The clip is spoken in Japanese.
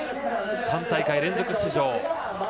３大会連続出場。